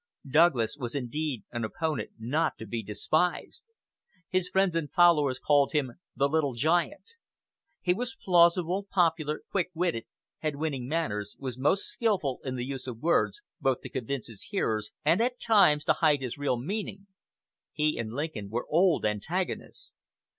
Douglas was indeed an opponent not to be despised. His friends and followers called him the "Little Giant." He was plausible, popular, quick witted, had winning manners, was most skilful in the use of words, both to convince his hearers and, at times, to hide his real meaning. He and Lincoln were old antagonists.